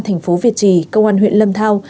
thành phố việt trì công an huyện lâm thao